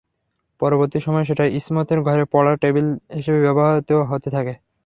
পরবর্তী সময়ে সেটা ইসমাতের ঘরে পড়ার টেবিল হিসেবে ব্যবহৃত হতে থাকে।